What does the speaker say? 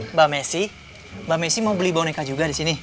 mbak messi mbak messi mau beli boneka juga disini